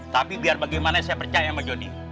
tapi biar bagaimana saya percaya sama joni